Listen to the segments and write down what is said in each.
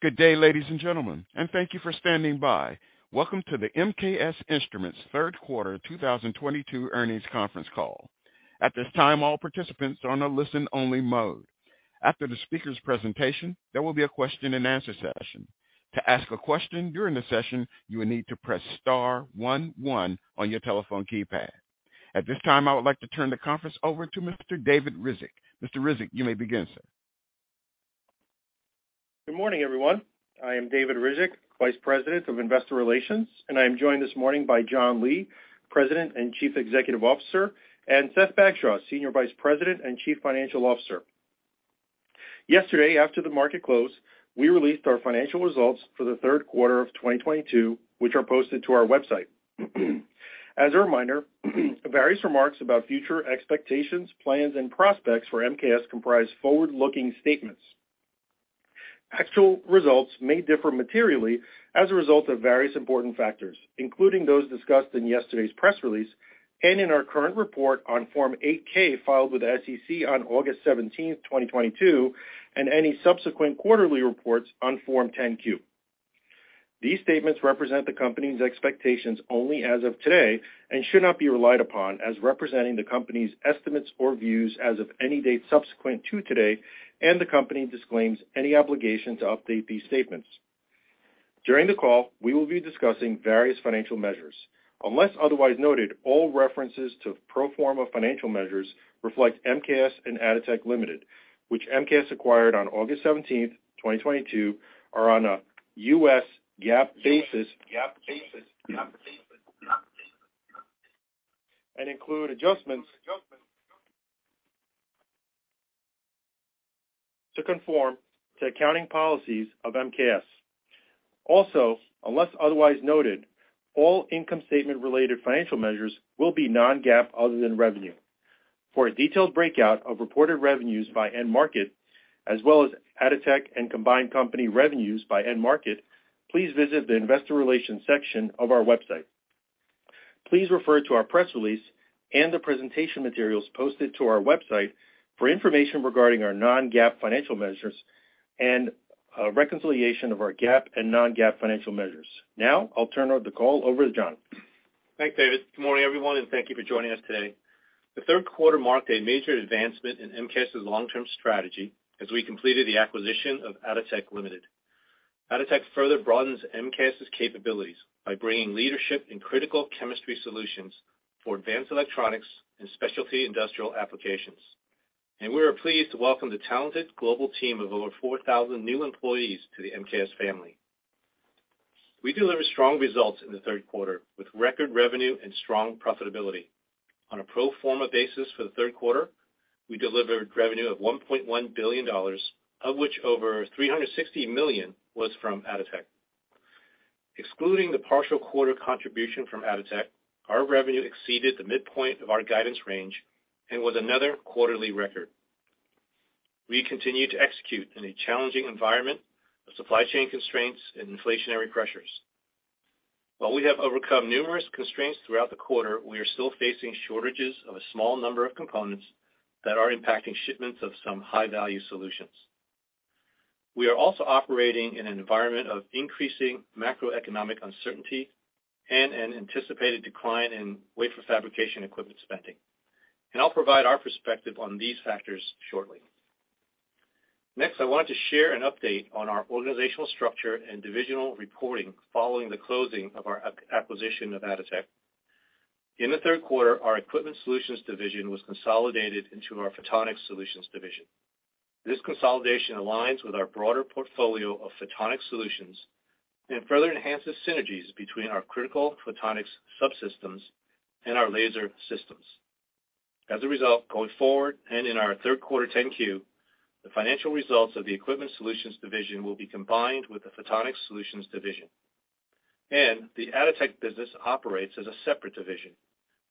Good day, ladies and gentlemen, and thank you for standing by. Welcome to the MKS Instruments Third Quarter 2022 Earnings Conference Call. At this time, all participants are on a listen-only mode. After the speaker's presentation, there will be a Q&A session. To ask a question during the session, you will need to press star one one on your telephone keypad. At this time, I would like to turn the conference over to Mr. David Ryzhik. Mr. Ryzhik, you may begin, sir. Good morning, everyone. I am David Ryzhik, Vice President of Investor Relations, and I am joined this morning by John Lee, President and Chief Executive Officer, and Seth Bagshaw, Senior Vice President and Chief Financial Officer. Yesterday, after the market closed, we released our financial results for the third quarter of 2022, which are posted to our website. As a reminder, various remarks about future expectations, plans, and prospects for MKS comprise forward-looking statements. Actual results may differ materially as a result of various important factors, including those discussed in yesterday's press release and in our current report on Form 8-K filed with the SEC on August 17, 2022, and any subsequent quarterly reports on Form 10-Q. These statements represent the company's expectations only as of today and should not be relied upon as representing the company's estimates or views as of any date subsequent to today, and the company disclaims any obligation to update these statements. During the call, we will be discussing various financial measures. Unless otherwise noted, all references to pro forma financial measures reflect MKS and Atotech Limited, which MKS acquired on August 17, 2022, are on a US GAAP basis and include adjustments to conform to accounting policies of MKS. Also, unless otherwise noted, all income statement-related financial measures will be non-GAAP, other than revenue. For a detailed breakout of reported revenues by end market, as well as Atotech and combined company revenues by end market, please visit the investor relations section of our website. Please refer to our press release and the presentation materials posted to our website for information regarding our non-GAAP financial measures and a reconciliation of our GAAP and non-GAAP financial measures. Now I'll turn the call over to John. Thanks, David. Good morning, everyone, and thank you for joining us today. The third quarter marked a major advancement in MKS's long-term strategy as we completed the acquisition of Atotech Limited. Atotech further broadens MKS's capabilities by bringing leadership in critical chemistry solutions for advanced electronics and specialty industrial applications. We are pleased to welcome the talented global team of over 4,000 new employees to the MKS family. We delivered strong results in the third quarter with record revenue and strong profitability. On a pro forma basis for the third quarter, we delivered revenue of $1.1 billion, of which over $360 million was from Atotech. Excluding the partial quarter contribution from Atotech, our revenue exceeded the midpoint of our guidance range and was another quarterly record. We continue to execute in a challenging environment of supply chain constraints and inflationary pressures. While we have overcome numerous constraints throughout the quarter, we are still facing shortages of a small number of components that are impacting shipments of some high-value solutions. We are also operating in an environment of increasing macroeconomic uncertainty and an anticipated decline in wafer fabrication equipment spending. I'll provide our perspective on these factors shortly. Next, I want to share an update on our organizational structure and divisional reporting following the closing of our acquisition of Atotech. In the third quarter, our Equipment Solutions division was consolidated into our Photonics Solutions division. This consolidation aligns with our broader portfolio of photonic solutions and further enhances synergies between our critical photonics subsystems and our laser systems. As a result, going forward, and in our third quarter 10-Q, the financial results of the Equipment Solutions division will be combined with the Photonics Solutions division. The Atotech business operates as a separate division,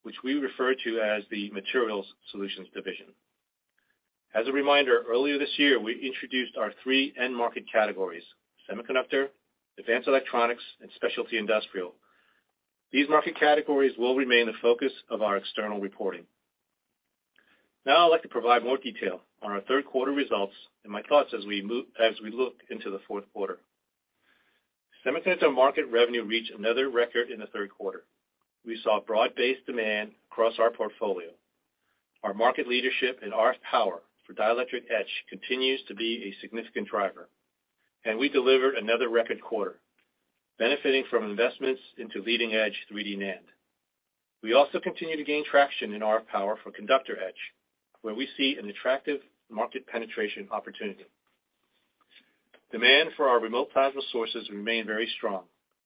which we refer to as the Materials Solutions division. As a reminder, earlier this year, we introduced our three end market categories, semiconductor, advanced electronics, and specialty industrial. These market categories will remain the focus of our external reporting. Now I'd like to provide more detail on our third quarter results and my thoughts as we look into the fourth quarter. Semiconductor market revenue reached another record in the third quarter. We saw broad-based demand across our portfolio. Our market leadership in RF power for dielectric etch continues to be a significant driver, and we delivered another record quarter benefiting from investments into leading-edge 3D NAND. We also continue to gain traction in RF power for conductor etch, where we see an attractive market penetration opportunity. Demand for our remote plasma sources remained very strong,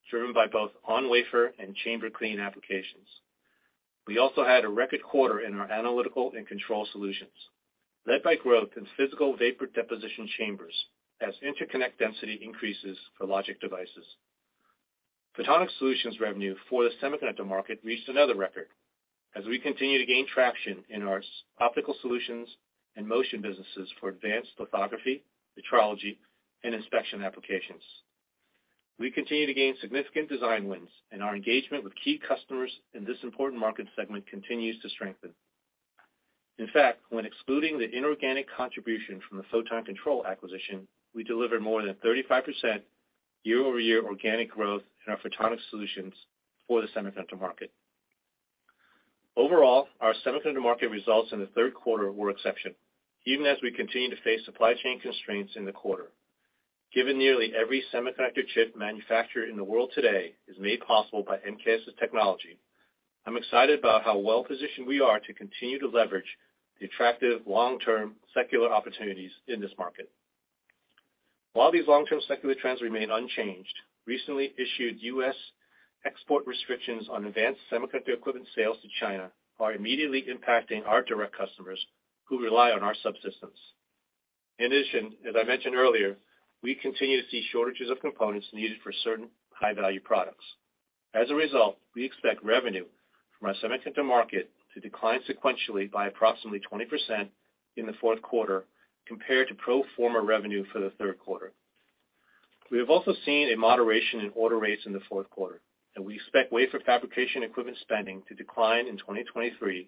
driven by both on-wafer and chamber clean applications. We also had a record quarter in our analytical and control solutions, led by growth in physical vapor deposition chambers as interconnect density increases for logic devices. Photonics Solutions revenue for the semiconductor market reached another record as we continue to gain traction in our optical solutions and motion businesses for advanced lithography, metrology, and inspection applications. We continue to gain significant design wins, and our engagement with key customers in this important market segment continues to strengthen. In fact, when excluding the inorganic contribution from the Photon Control acquisition, we delivered more than 35% year-over-year organic growth in our Photonics Solutions for the semiconductor market. Overall, our semiconductor market results in the third quarter were exceptional, even as we continued to face supply chain constraints in the quarter. Given nearly every semiconductor chip manufacturer in the world today is made possible by MKS's technology, I'm excited about how well-positioned we are to continue to leverage the attractive long-term secular opportunities in this market. While these long-term secular trends remain unchanged, recently issued U.S. export restrictions on advanced semiconductor equipment sales to China are immediately impacting our direct customers who rely on our subsystems. In addition, as I mentioned earlier, we continue to see shortages of components needed for certain high-value products. As a result, we expect revenue from our semiconductor market to decline sequentially by approximately 20% in the fourth quarter compared to pro forma revenue for the third quarter. We have also seen a moderation in order rates in the fourth quarter, and we expect wafer fabrication equipment spending to decline in 2023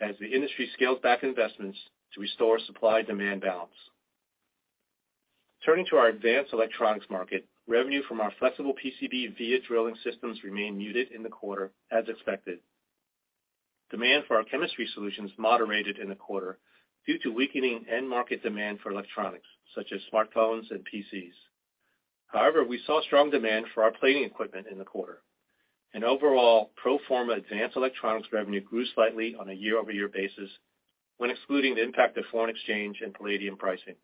as the industry scales back investments to restore supply-demand balance. Turning to our advanced electronics market, revenue from our flexible PCB via drilling systems remained muted in the quarter as expected. Demand for our chemistry solutions moderated in the quarter due to weakening end market demand for electronics, such as smartphones and PCs. However, we saw strong demand for our plating equipment in the quarter. Overall, pro forma advanced electronics revenue grew slightly on a year-over-year basis when excluding the impact of foreign exchange and palladium pricing.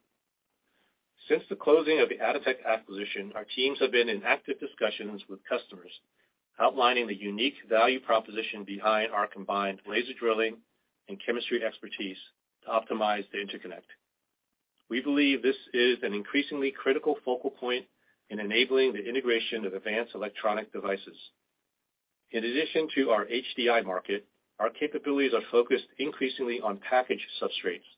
Since the closing of the Atotech acquisition, our teams have been in active discussions with customers, outlining the unique value proposition behind our combined laser drilling and chemistry expertise to optimize the interconnect. We believe this is an increasingly critical focal point in enabling the integration of advanced electronic devices. In addition to our HDI market, our capabilities are focused increasingly on package substrates,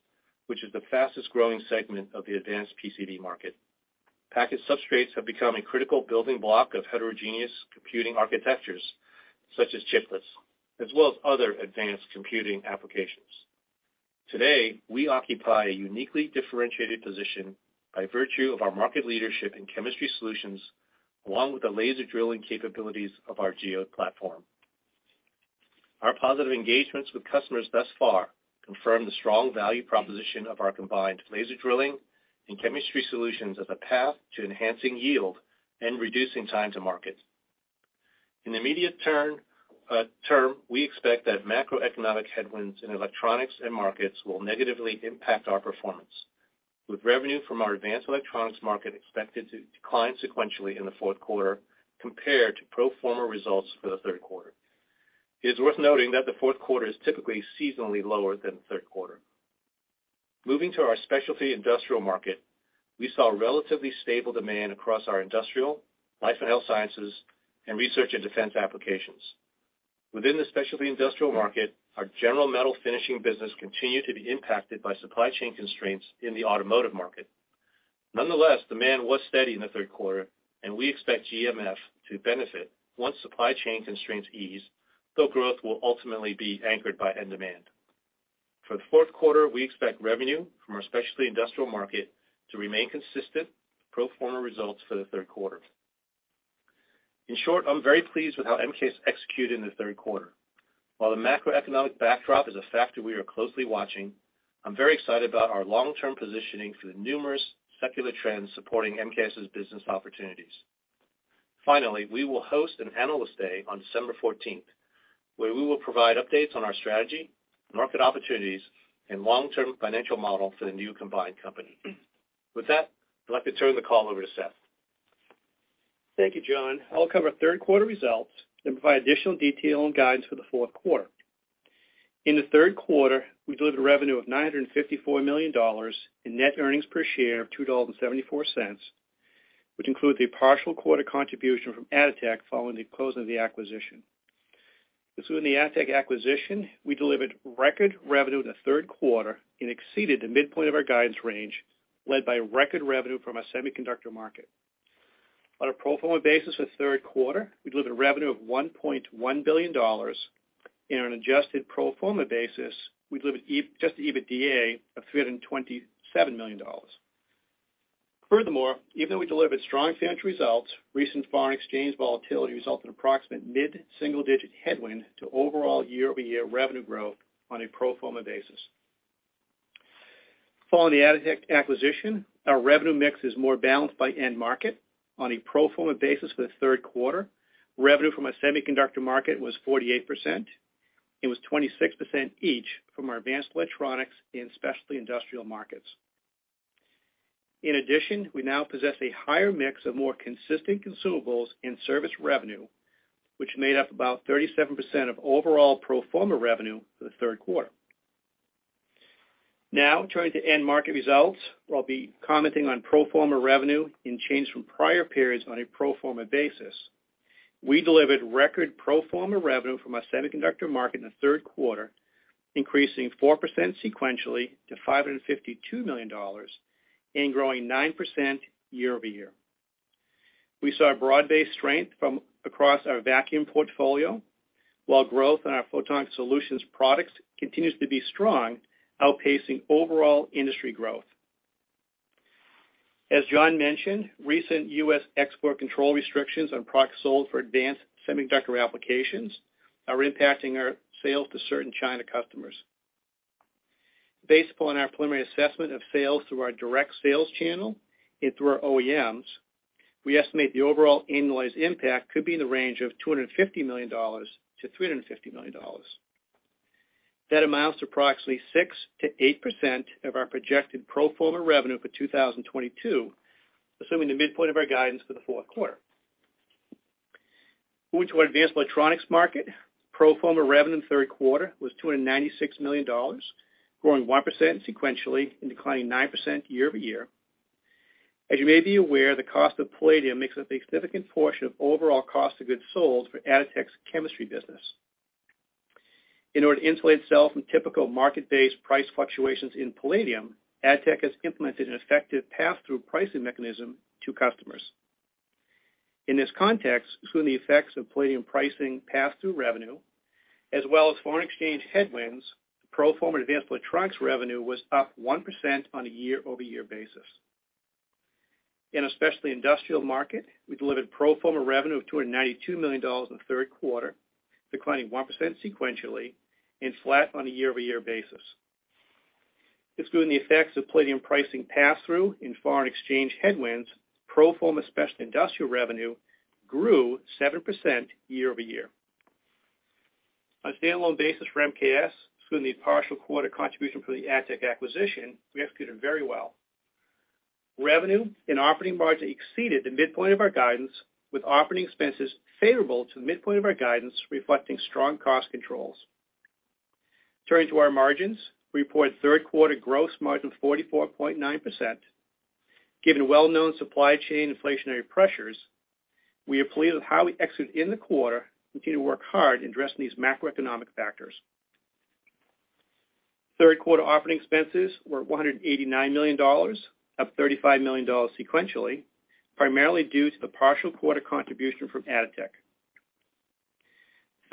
which is the fastest-growing segment of the advanced PCB market. Package substrates have become a critical building block of heterogeneous computing architectures, such as chiplets, as well as other advanced computing applications. Today, we occupy a uniquely differentiated position by virtue of our market leadership in chemistry solutions, along with the laser drilling capabilities of our Geode platform. Our positive engagements with customers thus far confirm the strong value proposition of our combined laser drilling and chemistry solutions as a path to enhancing yield and reducing time to market. In the immediate term, we expect that macroeconomic headwinds in electronics end markets will negatively impact our performance, with revenue from our advanced electronics market expected to decline sequentially in the fourth quarter compared to pro forma results for the third quarter. It is worth noting that the fourth quarter is typically seasonally lower than the third quarter. Moving to our specialty industrial market, we saw relatively stable demand across our industrial, life and health sciences, and research and defense applications. Within the specialty industrial market, our general metal finishing business continued to be impacted by supply chain constraints in the automotive market. Nonetheless, demand was steady in the third quarter, and we expect GMF to benefit once supply chain constraints ease, though growth will ultimately be anchored by end demand. For the fourth quarter, we expect revenue from our specialty industrial market to remain consistent with pro forma results for the third quarter. In short, I'm very pleased with how MKS executed in the third quarter. While the macroeconomic backdrop is a factor we are closely watching, I'm very excited about our long-term positioning for the numerous secular trends supporting MKS' business opportunities. Finally, we will host an Analyst Day on December fourteenth, where we will provide updates on our strategy, market opportunities, and long-term financial model for the new combined company. With that, I'd like to turn the call over to Seth. Thank you, John. I'll cover third quarter results and provide additional detail and guidance for the fourth quarter. In the third quarter, we delivered revenue of $954 million and net earnings per share of $2.74, which include the partial quarter contribution from Atotech following the closing of the acquisition. Excluding the Atotech acquisition, we delivered record revenue in the third quarter and exceeded the midpoint of our guidance range, led by record revenue from our semiconductor market. On a pro forma basis for the third quarter, we delivered revenue of $1.1 billion, and on an adjusted pro forma basis, we delivered adjusted EBITDA of $327 million. Furthermore, even though we delivered strong financial results, recent foreign exchange volatility resulted in approximate mid-single-digit headwind to overall year-over-year revenue growth on a pro forma basis. Following the Atotech acquisition, our revenue mix is more balanced by end market. On a pro forma basis for the third quarter, revenue from our semiconductor market was 48%. It was 26% each from our advanced electronics and specialty industrial markets. In addition, we now possess a higher mix of more consistent consumables and service revenue, which made up about 37% of overall pro forma revenue for the third quarter. Now turning to end market results, where I'll be commenting on pro forma revenue and change from prior periods on a pro forma basis. We delivered record pro forma revenue from our semiconductor market in the third quarter, increasing 4% sequentially to $552 million and growing 9% year-over-year. We saw broad-based strength from across our vacuum portfolio, while growth in our Photonics Solutions products continues to be strong, outpacing overall industry growth. As John mentioned, recent U.S. export control restrictions on products sold for advanced semiconductor applications are impacting our sales to certain China customers. Based upon our preliminary assessment of sales through our direct sales channel and through our OEMs, we estimate the overall annualized impact could be in the range of $250 million-$350 million. That amounts to approximately 6%-8% of our projected pro forma revenue for 2022, assuming the midpoint of our guidance for the fourth quarter. Moving to our advanced electronics market, pro forma revenue in the third quarter was $296 million, growing 1% sequentially and declining 9% year-over-year. As you may be aware, the cost of palladium makes up a significant portion of overall cost of goods sold for Atotech's chemistry business. In order to insulate itself from typical market-based price fluctuations in palladium, Atotech has implemented an effective pass-through pricing mechanism to customers. In this context, excluding the effects of palladium pricing pass-through revenue as well as foreign exchange headwinds, pro forma advanced electronics revenue was up 1% on a year-over-year basis. In our specialty industrial market, we delivered pro forma revenue of $292 million in the third quarter, declining 1% sequentially and flat on a year-over-year basis. Excluding the effects of palladium pricing pass-through and foreign exchange headwinds, pro forma specialty industrial revenue grew 7% year-over-year. On a standalone basis for MKS, excluding the partial quarter contribution from the Atotech acquisition, we executed very well. Revenue and operating margin exceeded the midpoint of our guidance, with operating expenses favorable to the midpoint of our guidance reflecting strong cost controls. Turning to our margins, we report third quarter gross margin of 44.9%. Given well-known supply chain inflationary pressures, we are pleased with how we executed in the quarter and continue to work hard in addressing these macroeconomic factors. Third quarter operating expenses were $189 million, up $35 million sequentially, primarily due to the partial quarter contribution from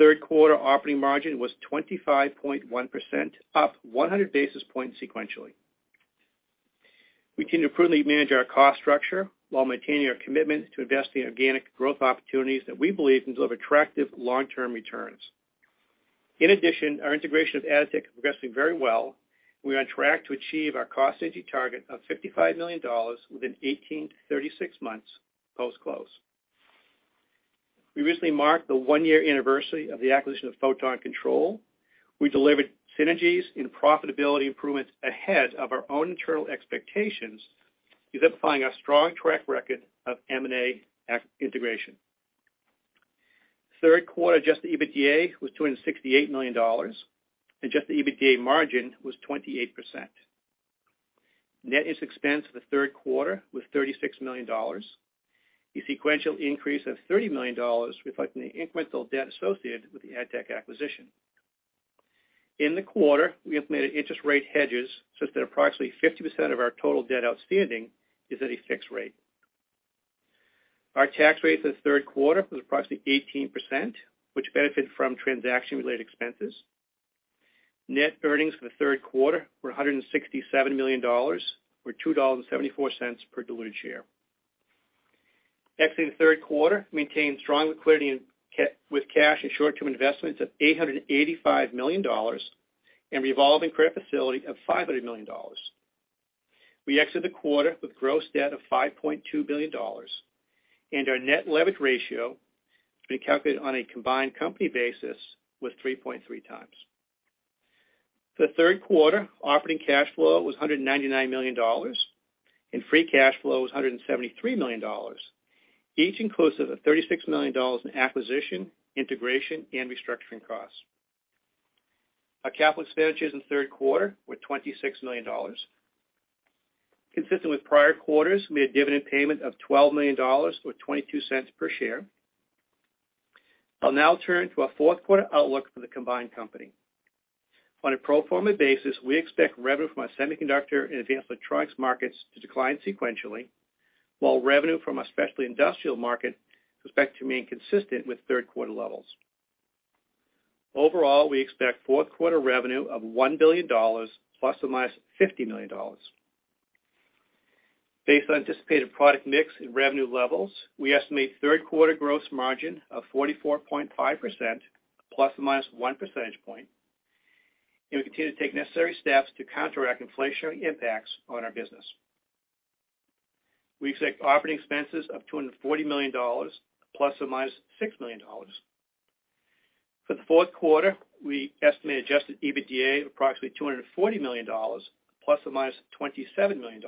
Atotech. Third quarter operating margin was 25.1%, up 100 basis points sequentially. We continue to prudently manage our cost structure while maintaining our commitment to investing in organic growth opportunities that we believe can deliver attractive long-term returns. Our integration of Atotech is progressing very well. We are on track to achieve our cost synergy target of $55 million within 18-36 months post-close. We recently marked the one-year anniversary of the acquisition of Photon Control. We delivered synergies and profitability improvements ahead of our own internal expectations, exemplifying our strong track record of M&A integration. Third quarter adjusted EBITDA was $268 million, and adjusted EBITDA margin was 28%. Net interest expense for the third quarter was $36 million, a sequential increase of $30 million, reflecting the incremental debt associated with the Atotech acquisition. In the quarter, we implemented interest rate hedges such that approximately 50% of our total debt outstanding is at a fixed rate. Our tax rate for the third quarter was approximately 18%, which benefited from transaction-related expenses. Net earnings for the third quarter were $167 million, or $2.74 per diluted share. Exiting the third quarter, we maintained strong liquidity with cash and short-term investments of $885 million and revolving credit facility of $500 million. We exited the quarter with gross debt of $5.2 billion, and our net leverage ratio, which we calculate on a combined company basis, was 3.3x. For the third quarter, operating cash flow was $199 million, and free cash flow was $173 million, each inclusive of $36 million in acquisition, integration, and restructuring costs. Our capital expenditures in the third quarter were $26 million. Consistent with prior quarters, we made a dividend payment of $12 million, or $0.22 per share. I'll now turn to our fourth quarter outlook for the combined company. On a pro forma basis, we expect revenue from our semiconductor and advanced electronics markets to decline sequentially, while revenue from our specialty industrial market is expected to remain consistent with third quarter levels. Overall, we expect fourth quarter revenue of $1 billion ± $50 million. Based on anticipated product mix and revenue levels, we estimate third quarter gross margin of 44.5% ±1 percentage point, and we continue to take necessary steps to counteract inflationary impacts on our business. We expect operating expenses of $240 million ±$6 million. For the fourth quarter, we estimate adjusted EBITDA of approximately $240 million ±$27 million.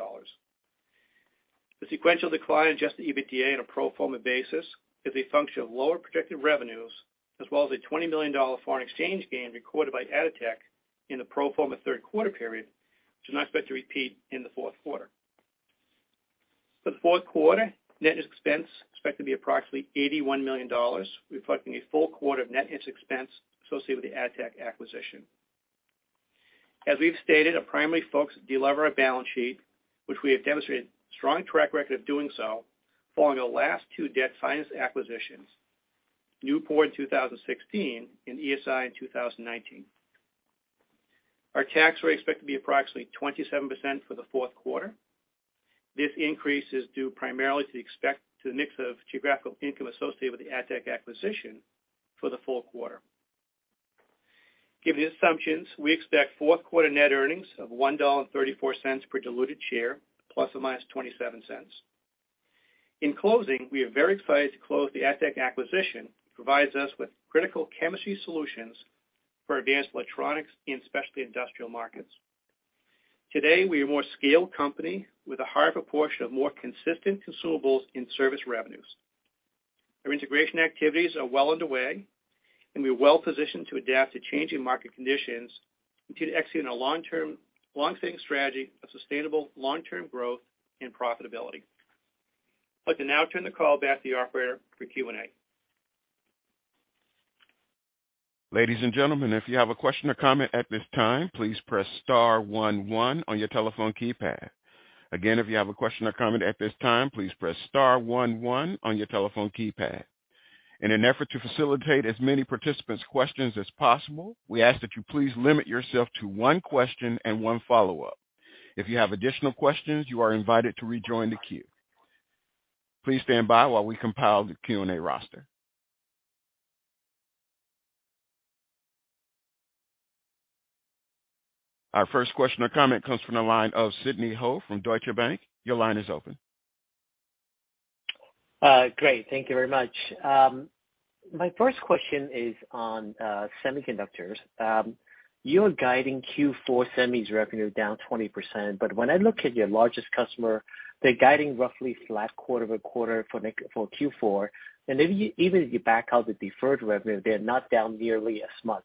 The sequential decline in adjusted EBITDA on a pro forma basis is a function of lower projected revenues as well as a $20 million foreign exchange gain recorded by Atotech in the pro forma third quarter period, which is not expected to repeat in the fourth quarter. For the fourth quarter, net interest expense is expected to be approximately $81 million, reflecting a full quarter of net interest expense associated with the Atotech acquisition. We've stated, our primary focus is to deleverage our balance sheet, which we have demonstrated strong track record of doing so following the last two debt-financed acquisitions, Newport in 2016 and ESI in 2019. Our tax rate is expected to be approximately 27% for the fourth quarter. This increase is due primarily to the mix of geographical income associated with the Atotech acquisition for the full quarter. Given the assumptions, we expect fourth quarter net earnings of $1.34 per diluted share, ±$0.27. In closing, we are very excited to close the Atotech acquisition. It provides us with critical chemistry solutions for advanced electronics and specialty industrial markets. Today, we are a more scaled company with a higher proportion of more consistent consumables in service revenues. Our integration activities are well underway, and we are well positioned to adapt to changing market conditions and continue to execute on a long-standing strategy of sustainable long-term growth and profitability. I'd like to now turn the call back to the operator for Q&A. Ladies and gentlemen, if you have a question or comment at this time, please press star one one on your telephone keypad. Again, if you have a question or comment at this time, please press star one one on your telephone keypad. In an effort to facilitate as many participants' questions as possible, we ask that you please limit yourself to one question and one follow-up. If you have additional questions, you are invited to rejoin the queue. Please stand by while we compile the Q&A roster. Our first question or comment comes from the line of Sidney Ho from Deutsche Bank. Your line is open. Great. Thank you very much. My first question is on semiconductors. You're guiding Q4 semis revenue down 20%, but when I look at your largest customer, they're guiding roughly flat quarter-over-quarter for Q4. Even if you back out the deferred revenue, they're not down nearly as much.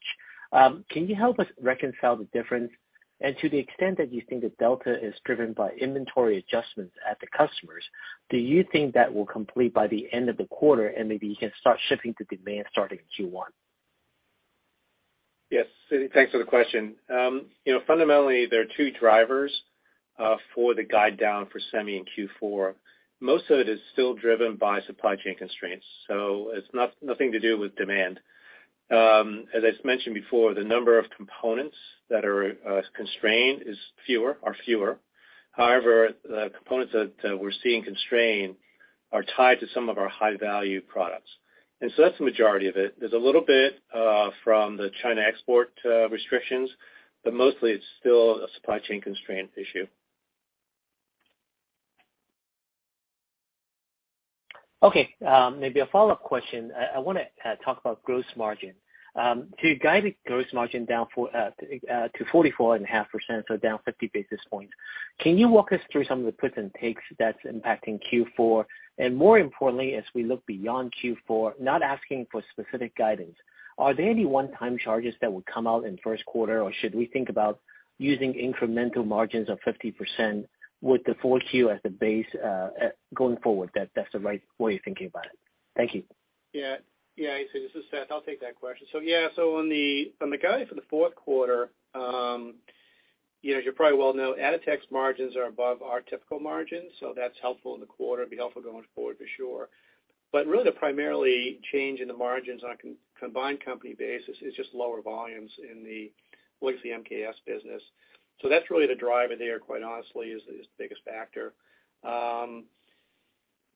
Can you help us reconcile the difference? To the extent that you think the delta is driven by inventory adjustments at the customers, do you think that will complete by the end of the quarter, and maybe you can start shipping to demand starting in Q1? Yes. Sidney, thanks for the question. You know, fundamentally, there are two drivers for the guide down for semi in Q4. Most of it is still driven by supply chain constraints, so it's nothing to do with demand. As I mentioned before, the number of components that are constrained is fewer. However, the components that we're seeing constrained are tied to some of our high value products, and so that's the majority of it. There's a little bit from the China export restrictions, but mostly it's still a supply chain constraint issue. Okay. Maybe a follow-up question. I wanna talk about gross margin. So you guided gross margin down for to 44.5%, so down 50 basis points. Can you walk us through some of the puts and takes that's impacting Q4? More importantly, as we look beyond Q4, not asking for specific guidance, are there any one-time charges that would come out in first quarter, or should we think about using incremental margins of 50% with the full Q as the base going forward, that's the right way of thinking about it? Thank you. Yeah. Yeah, hey Sidney, this is Seth. I'll take that question. So yeah, on the guide for the fourth quarter, you know, as you probably well know, Atotech's margins are above our typical margins, so that's helpful in the quarter. It'll be helpful going forward for sure. But really the primary change in the margins on a combined company basis is just lower volumes in the legacy MKS business. So that's really the driver there, quite honestly, is the biggest factor.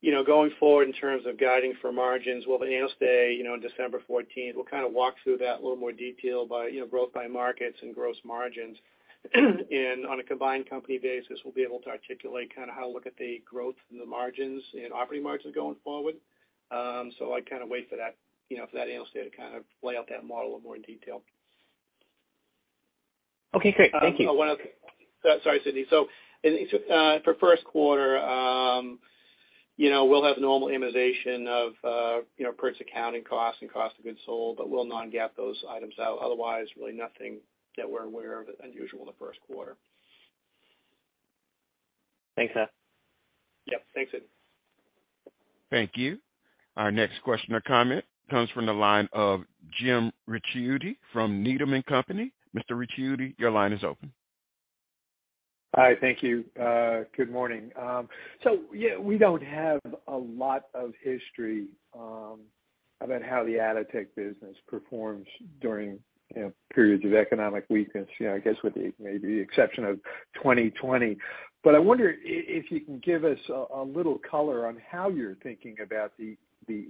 You know, going forward in terms of guiding for margins, we'll- the Analyst Day, you know, on December 14th, we'll kind of walk through that in a little more detail by, you know, growth by markets and gross margins. On a combined company basis, we'll be able to articulate kind of how to look at the growth in the margins and operating margins going forward. I'd kind of wait for that, you know, for that Analyst Day to kind of lay out that model in more detail. Okay, great. Thank you. One other thing- sorry, Sidney. For first quarter, you know, we'll have normal amortization of, you know, purchase accounting costs and cost of goods sold, but we'll non-GAAP those items out. Otherwise, really nothing that we're aware of unusual in the first quarter. Thanks, Seth. Yep. Thanks, Sidney. Thank you. Our next question or comment comes from the line of Jim Ricchiuti from Needham & Company. Mr. Ricchiuti, your line is open. Hi, thank you. Good morning. So, yeah, we don't have a lot of history about how the Atotech business performs during, you know, periods of economic weakness, you know, I guess with the, maybe the exception of 2020. I wonder if you can give us a little color on how you're thinking about the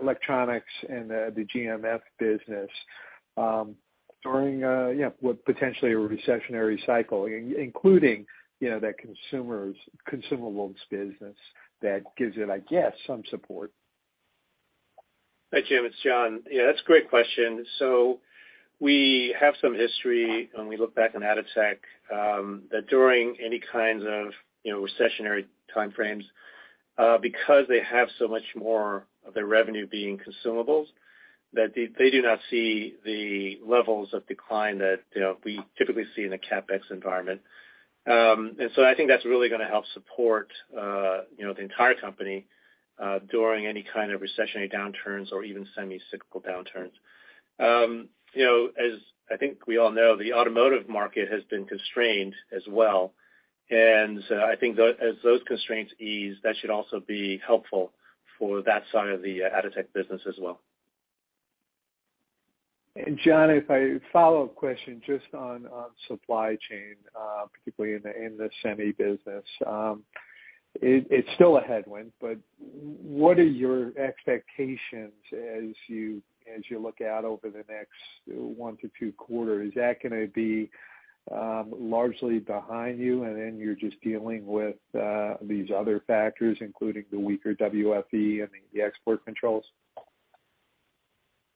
electronics and the GMF business during, you know, what potentially a recessionary cycle, including, you know, that consumables business that gives it, I guess, some support. Hi, Jim, it's John. Yeah, that's a great question. We have some history when we look back on Atotech, that during any kinds of, you know, recessionary timeframes, because they have so much more of their revenue being consumables, that they do not see the levels of decline that, you know, we typically see in a CapEx environment. I think that's really gonna help support, you know, the entire company, during any kind of recessionary downturns or even semi-cyclical downturns. You know, as I think we all know, the automotive market has been constrained as well. I think as those constraints ease, that should also be helpful for that side of the Atotech business as well. John, I have a follow-up question just on supply chain, particularly in the semi business. It's still a headwind, but what are your expectations as you look out over the next one to two quarters? Is that gonna be largely behind you, and then you're just dealing with these other factors, including the weaker WFE and the export controls?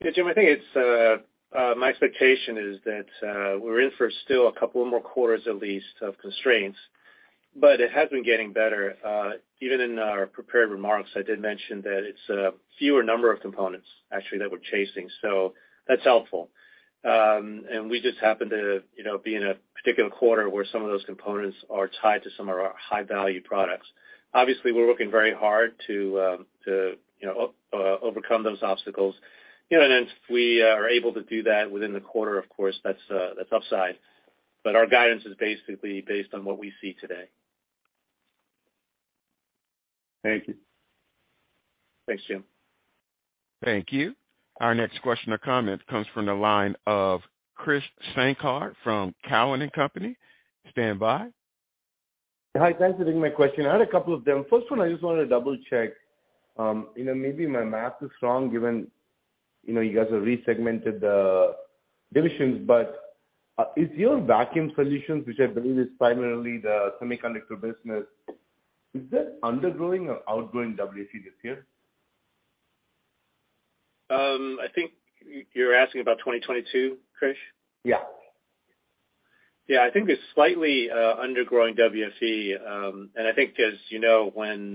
Yeah, Jim, I think it's my expectation is that we're in for still a couple more quarters at least of constraints, but it has been getting better. Even in our prepared remarks, I did mention that it's a fewer number of components actually that we're chasing, so that's helpful. We just happen to, you know, be in a particular quarter where some of those components are tied to some of our high value products. Obviously, we're working very hard to, you know, overcome those obstacles. You know, and if we are able to do that within the quarter, of course, that's upside. Our guidance is basically based on what we see today. Thank you. Thanks, Jim. Thank you. Our next question or comment comes from the line of Krish Sankar from Cowen and Company. Standby. Hi, thanks for taking my question. I had a couple of them. First one, I just wanted to double check, you know, maybe my math is wrong given, you know, you guys have resegmented the divisions. Is your Vacuum Solutions, which I believe is primarily the semiconductor business, undergrowing or outgrowing WFE this year? I think you're asking about 2022, Krish? Yeah. Yeah, I think it's slightly undergrowing WFE. I think as you know, when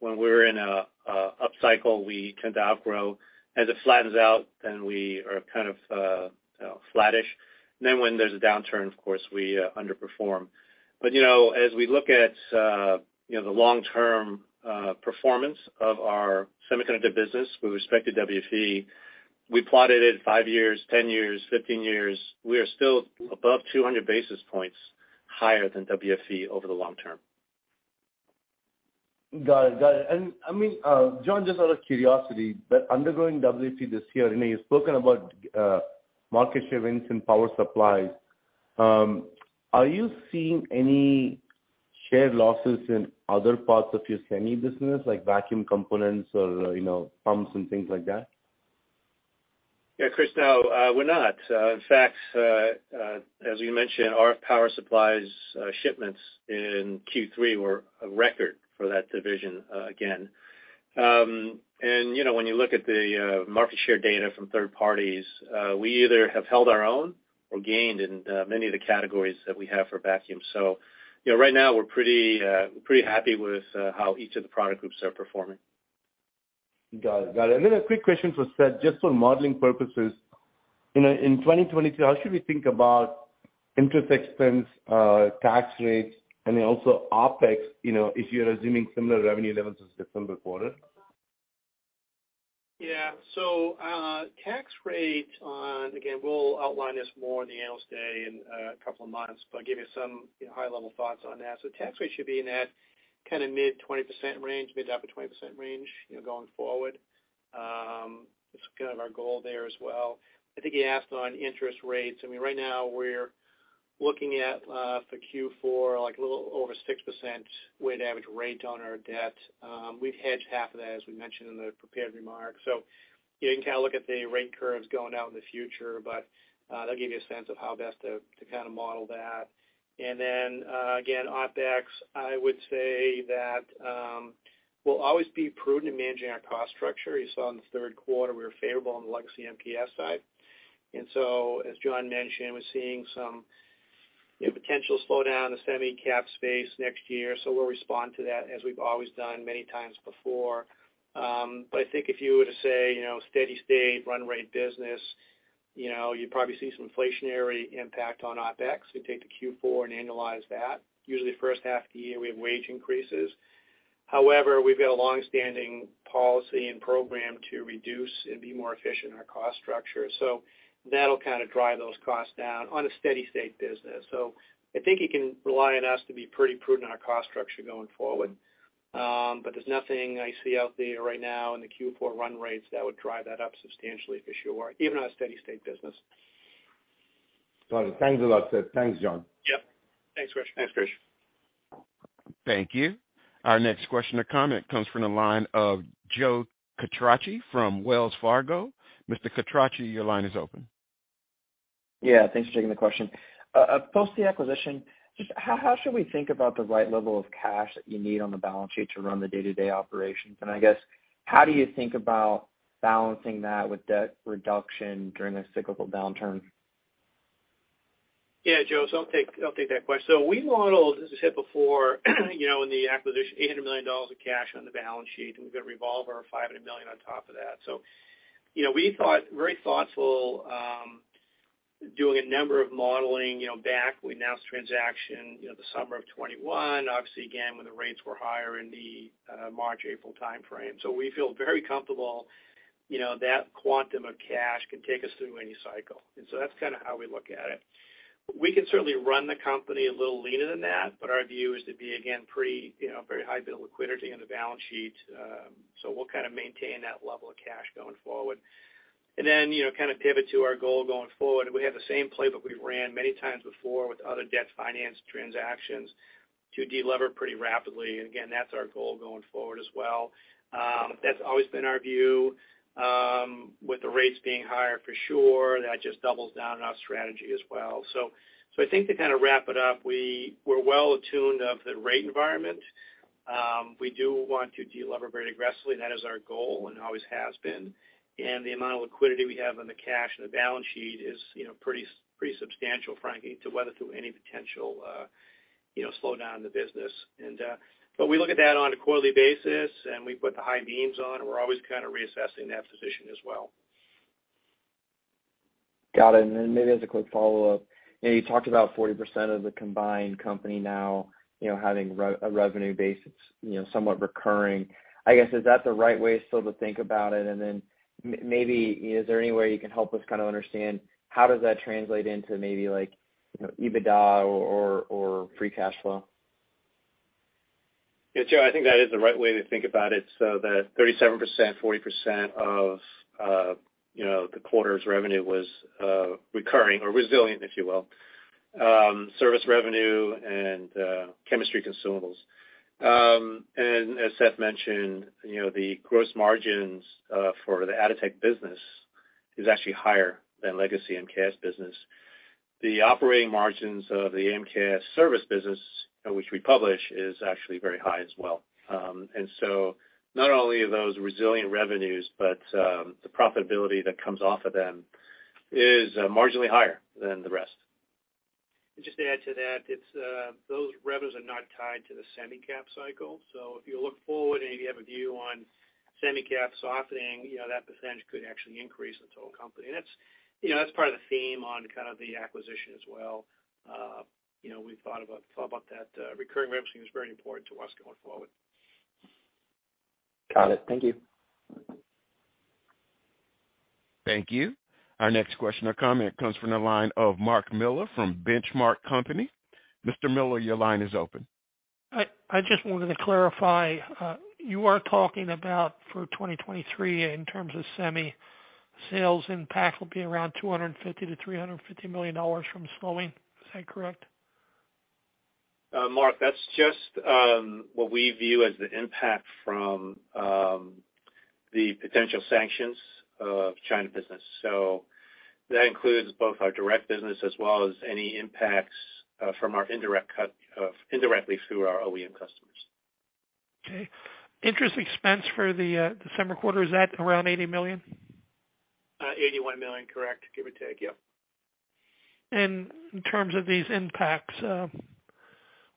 we're in an up cycle, we tend to outgrow. As it flattens out, then we are kind of flattish. Then when there's a downturn, of course, we underperform. You know, as we look at, you know, the long term performance of our semiconductor business with respect to WFE, we plotted it five years, 10 years, 15 years. We are still above 200 basis points higher than WFE over the long term. Got it. I mean, John, just out of curiosity, but undergrowing WFE this year, I know you've spoken about market share wins in power supplies. Are you seeing any share losses in other parts of your semi business like vacuum components or, you know, pumps and things like that? Yeah, Krish, no, we're not. In fact, as you mentioned, our power supplies shipments in Q3 were a record for that division again. You know, when you look at the market share data from third parties, we either have held our own or gained in many of the categories that we have for vacuum. You know, right now we're pretty happy with how each of the product groups are performing. Got it. A quick question for Seth, just for modeling purposes. You know, in 2022, how should we think about interest expense, tax rates, and then also OpEx, you know, if you're assuming similar revenue levels as the December quarter? Yeah. Tax rate- again, we'll outline this more in the Analyst Day in a couple of months, but give you some high-level thoughts on that. Tax rate should be in that kind of mid-20% range, mid- to upper-20% range, you know, going forward. It's kind of our goal there as well. I think he asked on interest rates- I mean, right now we're looking at for Q4, like a little over 6% weighted average rate on our debt. We've hedged half of that, as we mentioned in the prepared remarks. You can kind of look at the rate curves going out in the future, but that'll give you a sense of how best to kind of model that. Again, OpEx, I would say that we'll always be prudent in managing our cost structure. You saw in the third quarter we were favorable on the legacy MKS side. As John mentioned, we're seeing some potential slowdown in the semi cap space next year. We'll respond to that as we've always done many times before. But I think if you were to say, you know, steady state run rate business, you know, you'd probably see some inflationary impact on OpEx. You take the Q4 and annualize that. Usually first half of the year we have wage increases. However, we've got a long-standing policy and program to reduce and be more efficient in our cost structure. That'll kind of drive those costs down on a steady state business. I think you can rely on us to be pretty prudent on our cost structure going forward. There's nothing I see out there right now in the Q4 run rates that would drive that up substantially if business were even on a steady state business. Got it. Thanks a lot, Seth. Thanks, John. Yeah. Thanks, Krish. Thanks, Krish. Thank you. Our next question or comment comes from the line of Joe Quatrochi from Wells Fargo. Mr. Quatrochi, your line is open. Yeah, thanks for taking the question. Post the acquisition, just how should we think about the right level of cash that you need on the balance sheet to run the day-to-day operations? I guess, how do you think about balancing that with debt reduction during a cyclical downturn? Yeah, Joe, I'll take that question. We modeled, as I said before, you know, in the acquisition, $800 million of cash on the balance sheet, and we've got a revolver of $500 million on top of that. You know, we thought very thoughtfully, doing a number of modeling, you know, back when we announced the transaction, you know, the summer of 2021, obviously, again, when the rates were higher in the March, April time frame. We feel very comfortable, you know, that quantum of cash can take us through any cycle. That's kind of how we look at it. We can certainly run the company a little leaner than that, but our view is to be, again, pretty, you know, very high bit of liquidity on the balance sheet. We'll kind of maintain that level of cash going forward. You know, kind of pivot to our goal going forward. We have the same playbook we ran many times before with other debt financing transactions to delever pretty rapidly. Again, that's our goal going forward as well. That's always been our view. With the rates being higher for sure, that just doubles down on our strategy as well. I think to kind of wrap it up, we're well attuned to the rate environment. We do want to delever very aggressively- that is our goal and always has been. The amount of liquidity we have in cash and on the balance sheet is, you know, pretty substantial, frankly, to weather through any potential, you know, slowdown in the business. We look at that on a quarterly basis, and we put the high beams on. We're always kind of reassessing that position as well. Got it. Maybe as a quick follow-up, you know, you talked about 40% of the combined company now, you know, having a revenue base that's, you know, somewhat recurring- I guess, is that the right way still to think about it? Maybe is there any way you can help us kind of understand how does that translate into maybe like, you know, EBITDA or free cash flow? Yeah, Joe, I think that is the right way to think about it, so that 37%, 40% of, you know, the quarter's revenue was recurring or resilient, if you will, service revenue and chemistry consumables. As Seth mentioned, you know, the gross margins for the Atotech business is actually higher than legacy MKS business. The operating margins of the MKS service business, which we publish, is actually very high as well. Not only are those resilient revenues, but the profitability that comes off of them is marginally higher than the rest. Just to add to that, it's those revenues are not tied to the semi cap cycle. If you look forward and you have a view on semi cap softening, you know, that percentage could actually increase the total company. That's, you know, that's part of the theme on kind of the acquisition as well. You know, we thought about that. Recurring revenue is very important to us going forward. Got it. Thank you. Thank you. Our next question or comment comes from the line of Mark Miller from The Benchmark Company. Mr. Miller, your line is open. I just wanted to clarify. You are talking about for 2023 in terms of semi sales impact will be around $250 million to $350 million from slowing. Is that correct? Mark, that's just what we view as the impact from the potential sanctions on China business. That includes both our direct business as well as any impacts from our indirect customers indirectly through our OEM customers. Okay. Interest expense for the December quarter, is that around $80 million? $81 million, correct. Give or take. Yep. In terms of these impacts,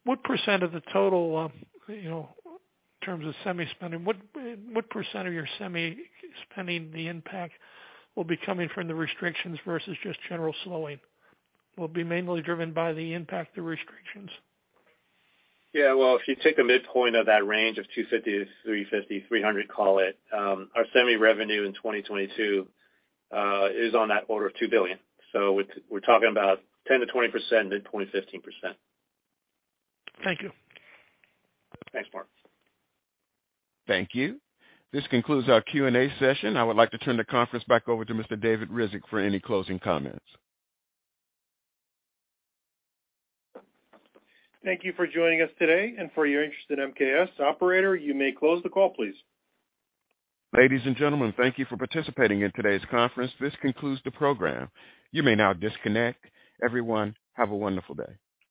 what percent of the total you know, in terms of semi spending- what percent of your semi spending the impact will be coming from the restrictions versus just general slowing? Will be mainly driven by the impact of restrictions? Yeah, well, if you take the midpoint of that range of $250 million $350 million, $300 million call it, our semi revenue in 2022 is on that order of $2 billion. We're talking about 10%-20%, midpoint 15%. Thank you. Thanks, Mark. Thank you. This concludes our Q&A session. I would like to turn the conference back over to Mr. David Ryzhik for any closing comments. Thank you for joining us today and for your interest in MKS. Operator, you may close the call, please. Ladies and gentlemen, thank you for participating in today's conference. This concludes the program. You may now disconnect. Everyone, have a wonderful day.